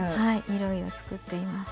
いろいろつくっています。